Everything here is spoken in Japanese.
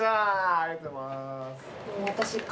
ありがとうございます。